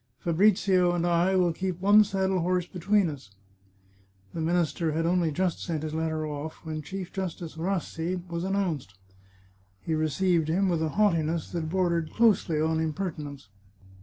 Fabrizio and I will keep one saddle horse between us." The minister had only just sent his letter oflF, when Chief Justice Rassi was announced. He received him with a haughtiness that bor dered closely on impertinence.